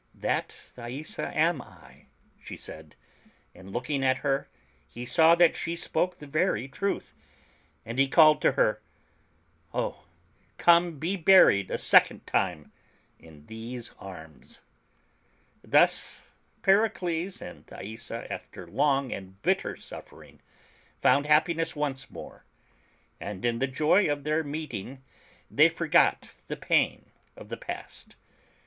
"That Thaisa am I," she said, and looking at her, he saw that she spoke the very truth, and he called to her — "O come, be buried a second time in these arms !" Thus Pericles and Thaisa, after long and bitter suffering, found happiness once more, and in the joy of their meeting they forgot the pain of the past.